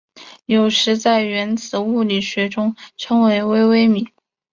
有时在原子物理学中称为微微米。